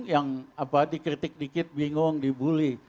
yang dikritik dikit bingung dibully